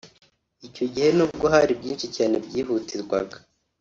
Icyo gihe n’ubwo hari byinshi cyane byihutirwaga